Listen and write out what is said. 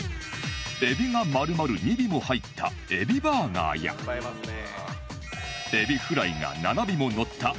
エビが丸々２尾も入ったエビバーガーやエビフライが７尾ものった海老かつ丼など